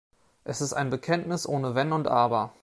Es ist ein Bekenntnis ohne Wenn und Aber.